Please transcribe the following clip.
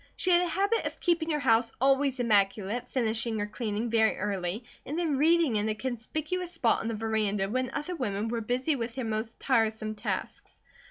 She had a habit of keeping her house always immaculate, finishing her cleaning very early and then reading in a conspicuous spot on the veranda when other women were busy with their most tiresome tasks.